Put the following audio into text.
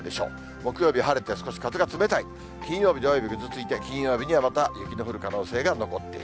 木曜日晴れて、少し風が冷たい、金曜日、土曜日、ぐずついて雪の可能性が残ってる。